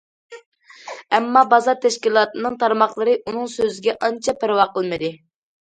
ئەمما« بازا» تەشكىلاتىنىڭ تارماقلىرى ئۇنىڭ سۆزىگە ئانچە پەرۋا قىلمىدى.